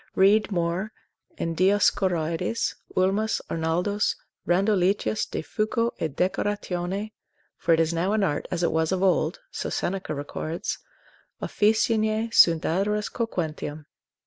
Read more in Dioscorides, Ulmus, Arnoldus, Randoletius de fuco et decoratione; for it is now an art, as it was of old, (so Seneca records) officinae, sunt adores coquentium.